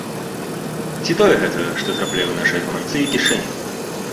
Ці тое гэта, што трапляе ў нашыя гаманцы і кішэні?